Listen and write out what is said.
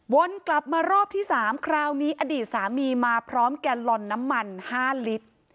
วนกลับมารอบที่๓คราวนี้อดีตสามีมาพร้อมแกลลอนน้ำมัน๕ลิตร